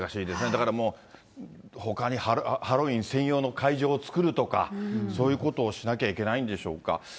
だからもう、ほかにハロウィーン専用の会場を作るとか、そういうことをしなきゃいけないんでしょうか。